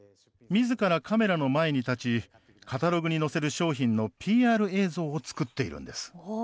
自らカメラの前に立ちカタログに載せる商品のＰＲ映像を作っているんです。